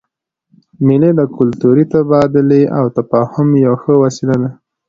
مېلې د کلتوري تبادلې او تفاهم یوه ښه وسیله ده.